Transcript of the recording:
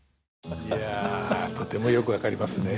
いやとてもよく分かりますね。